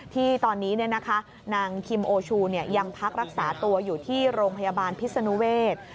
ที่ตอนนี้นางคิมโอชูยังพักรักษาตัวอยู่ที่โรงพยาบาลพิศนุเวศ